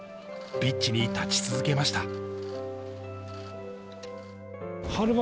ピッチに立ち続けました。